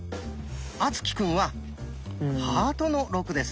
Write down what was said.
敦貴くんはハートの「６」です。